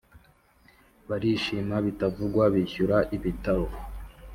barishima bitavugwa bishyura ibitaro